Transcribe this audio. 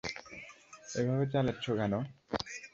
এভাবে চালাচ্ছে কেন?